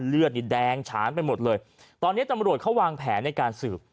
เลือดนี่แดงฉานไปหมดเลยตอนนี้ตำรวจเขาวางแผนในการสืบ